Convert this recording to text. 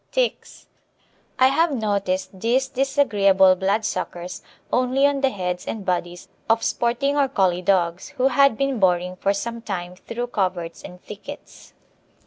TICKS. I have noticed these disagreeable bloodsuckers only on the heads and bodies of sporting or Collie dogs, who had been boring for some time through coverts and thickets.